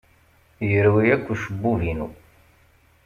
Yerwi akk ucebbub-inu.